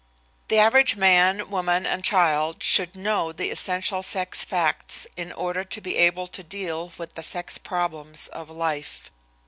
The average man, woman and child should know the essential sex facts in order to be able to deal with the sex problems of life.